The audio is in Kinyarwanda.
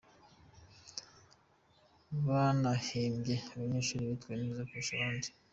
Banahembye n’abanyeshuri bitwaye neza kurusha abandi.